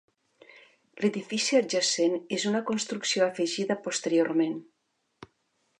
L'edifici adjacent és una construcció afegida posteriorment.